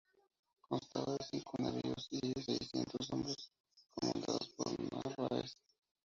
Constaba de cinco navíos y seiscientos hombres comandados por Narváez.